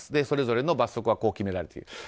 それぞれの罰則はこう決められている。